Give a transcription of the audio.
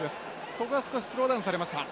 ここは少しスローダウンされました。